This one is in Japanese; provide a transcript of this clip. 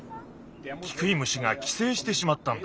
キクイムシがきせいしてしまったんだ。